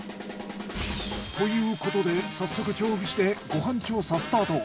ということで早速調布市でご飯調査スタート。